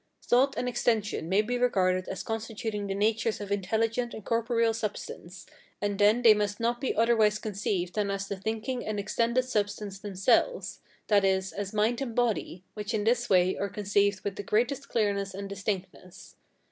Thought and extension may be regarded as constituting the natures of intelligent and corporeal substance; and then they must not be otherwise conceived than as the thinking and extended substances themselves, that is, as mind and body, which in this way are conceived with the greatest clearness and distinctness.